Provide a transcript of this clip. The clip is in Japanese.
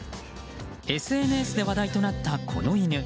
ＳＮＳで話題となったこの犬。